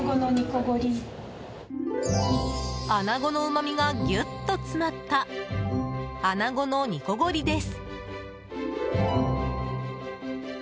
アナゴのうまみがギュッと詰まったアナゴの煮こごりです。